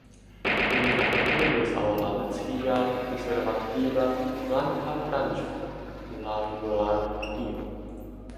Li apartenis al la nacia konservativa "blanka branĉo" en la junularpartio.